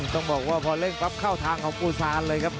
ต้องบอกว่าพอเร่งปั๊บเข้าทางของปูซานเลยครับ